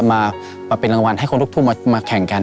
มาเป็นรางวัลให้คนลูกทุ่งมาแข่งกัน